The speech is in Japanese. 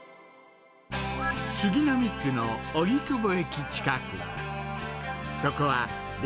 杉並区の荻窪駅近く。